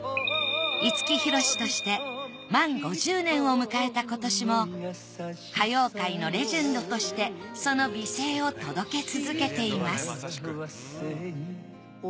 五木ひろしとして満５０年を迎えた今年も歌謡界のレジェンドとしてその美声を届け続けています